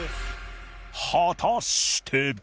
果たして